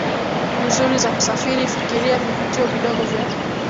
nzuri za kusafiri fikiria vivutio vidogo vya